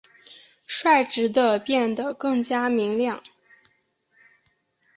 率直地变得更加明亮！